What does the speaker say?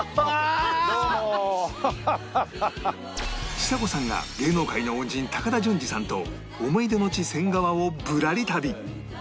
ちさ子さんが芸能界の恩人高田純次さんと思い出の地仙川をぶらり旅